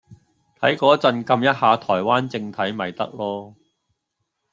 睇個陣㩒一下台灣正體咪得囉